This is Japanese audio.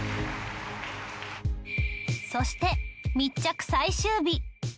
そして密着最終日。